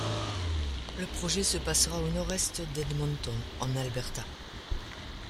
Le projet se passera au Nord-Est d'Edmonton, en Alberta.